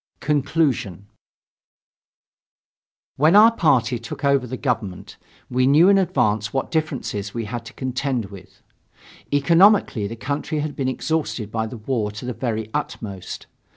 CONCLUSION When our party took over the government, we knew in advance what difficulties we had to contend with. Economically the country had been exhausted by the war to the very utmost.